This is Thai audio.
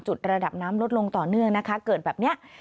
ระดับน้ำลดลงต่อเนื่องนะคะเกิดแบบนี้